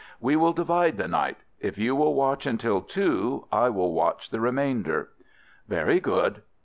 "We will divide the night. If you will watch until two, I will watch the remainder." "Very good."